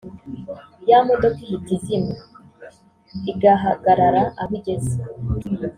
ya modoka ihita izima igahagarara aho igeze